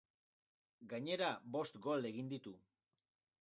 Gainera, bost gol egin ditu.